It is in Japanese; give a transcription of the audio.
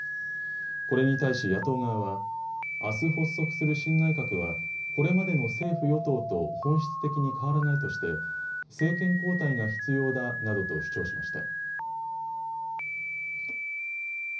これに対し野党側はあす発足する新内閣はこれまでの政府与党と本質的に変わらないとして政権交代が必要だなどと主張しました。